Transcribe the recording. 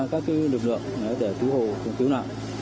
các cái lực lượng để cứu hộ cứu nạn